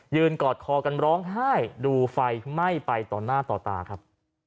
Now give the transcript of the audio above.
กอดคอกันร้องไห้ดูไฟไหม้ไปต่อหน้าต่อตาครับ